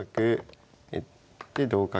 で同角。